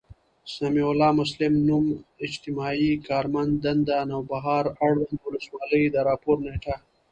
سمیع الله مسلم، نـــوم، اجتماعي کارمنددنــده، نوبهار، اړونــد ولسـوالـۍ، د راپــور نیــټه